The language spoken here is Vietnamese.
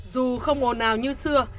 dù không ồn ào như xưa